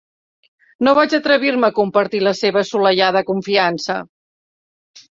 No vaig atrevir-me a compartir la seva assolellada confiança.